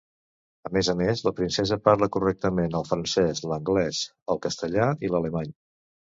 A més a més, la princesa parla correctament el francès, l'anglès, el castellà i l'alemany.